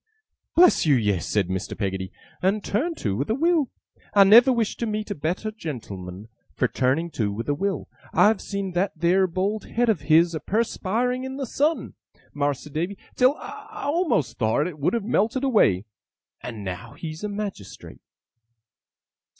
'Bless you, yes,' said Mr. Peggotty, 'and turned to with a will. I never wish to meet a better gen'l'man for turning to with a will. I've seen that theer bald head of his a perspiring in the sun, Mas'r Davy, till I a'most thowt it would have melted away. And now he's a Magistrate.